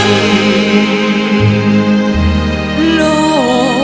ไม่เร่รวนภาวะผวังคิดกังคัน